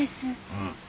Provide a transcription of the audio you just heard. うん。